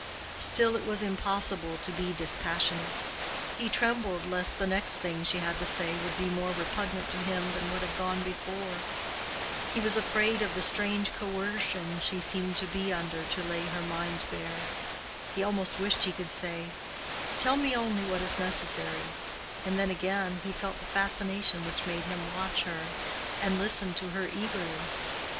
Still it was impossible to be dispassionate: he trembled lest the next thing she had to say would be more repugnant to him than what had gone before: he was afraid of the strange coercion she seemed to be under to lay her mind bare: he almost wished he could say, "Tell me only what is necessary," and then again he felt the fascination which made him watch her and listen to her eagerly.